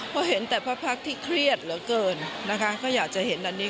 เพราะเห็นแต่ภาพภาคที่เครียดเหลือเกินก็อยากจะเห็นอันนี้